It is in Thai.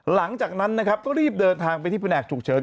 หลังจากนั้นนะครับก็รีบเดินทางไปที่แผนกฉุกเฉิน